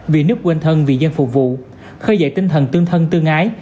vì nước quên thân vì dân phục vụ khơi dậy tinh thần tương thân tương ái